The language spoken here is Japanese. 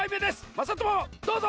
まさともどうぞ！